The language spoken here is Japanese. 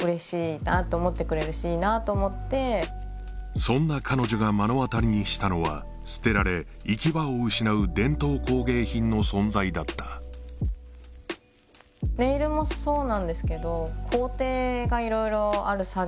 そんな彼女が目の当たりにしたのは捨てられ行き場を失う伝統工芸品の存在だったアートのある人生とは？